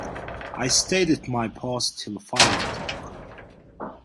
I stayed at my post till five o’clock.